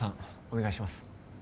お願いします